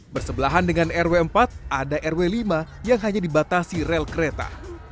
bersebelahan dengan rw empat ada rw lima yang hanya dibatasi rel kereta